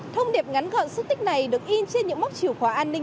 thông điệp ngắn gọn xúc tích này được in trên những mốc chìu khóa an ninh